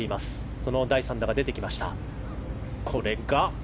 その第３打が出てきました。